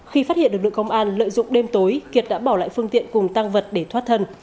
khi phát hiện lực lượng công an lợi dụng đêm tối kiệt đã bỏ lại phương tiện cùng tăng vật để thoát thân